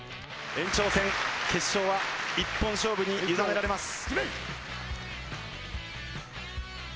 延長戦決勝は１本勝負に委ねられます。